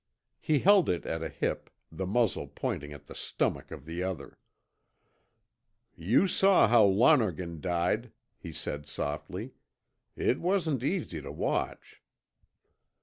He held it at a hip, the muzzle pointing at the stomach of the other. "You saw how Lonergan died," he said softly. "It wasn't easy to watch."